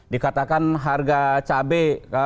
dikatakan harga cabai